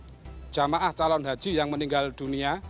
sudah tercatat sekitar delapan jamaah calon haji yang meninggal dunia